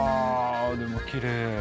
でもきれい。